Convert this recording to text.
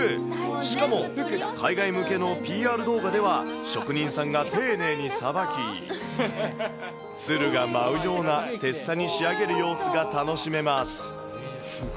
しかも海外向けのＰＲ動画では、職人さんが丁寧にさばき、鶴が舞うようなテッサに仕上げる様子が楽しめます。